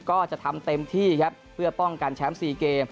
ก็จะทำเต็มที่ครับเพื่อป้องกันแชมป์๔เกม